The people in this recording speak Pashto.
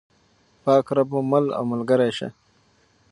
پاک رب مو مل او ملګری شه.